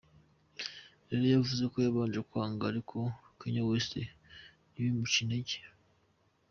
Leyla yavuze ko yabanje kwanga ariko Kanye West ntibimuce intege.